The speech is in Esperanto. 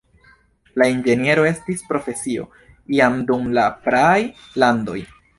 La inĝeniero estis profesio jam dum la praaj landoj.